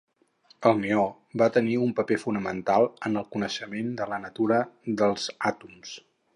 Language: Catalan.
El neó va tenir un paper fonamental en el coneixement de la natura dels àtoms.